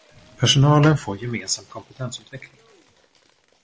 Personalen får gemensam kompetensutveckling.